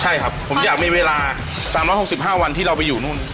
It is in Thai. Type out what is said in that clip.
ใช่ครับผมอยากมีเวลา๓๖๕วันที่เราไปอยู่นู่น